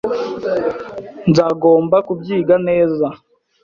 Nzagomba kubyiga neza.